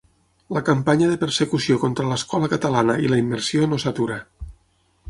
La campanya de persecució contra l’escola catalana i la immersió no s’atura.